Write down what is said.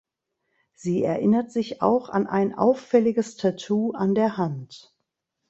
Sie erinnert sich auch an ein auffälliges Tattoo an der Hand.